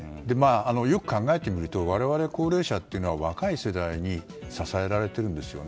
よく考えてみると我々高齢者というのは若い世代に支えられているんですよね。